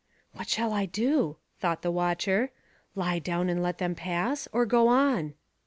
"What shall I do?" thought the watcher; "lie down and let them pass, or go on?"